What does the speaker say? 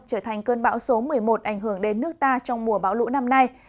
trở thành cơn bão số một mươi một ảnh hưởng đến nước ta trong mùa bão lũ năm nay